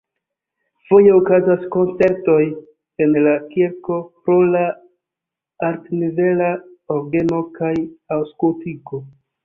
Foje okazas koncertoj en la kirko pro la altnivela orgeno kaj akustiko.